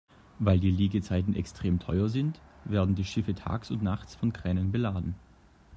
Weil die Liegezeiten extrem teuer sind, werden die Schiffe tags und nachts von Kränen beladen.